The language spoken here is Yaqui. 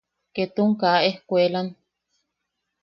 Ketun kaa escuelan.